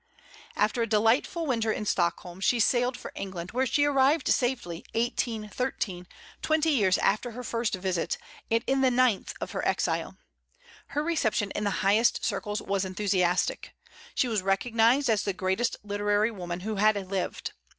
After a delightful winter in Stockholm, she sailed for England, where she arrived in safety, 1813, twenty years after her first visit, and in the ninth of her exile. Her reception in the highest circles was enthusiastic. She was recognized as the greatest literary woman who had lived.